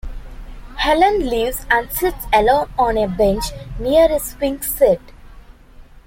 Helen leaves, and sits alone on a bench near a swing set.